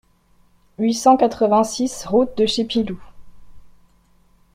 huit cent quatre-vingt-six route de Chez Pilloux